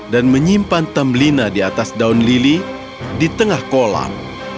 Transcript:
dan menyimpan tambelina di atas daun lili di tengah kolam